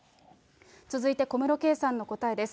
続いて小室圭さんの答えです。